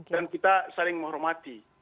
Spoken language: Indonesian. dan kita saling menghormati